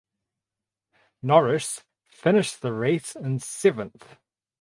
Norris finished the race in seventh.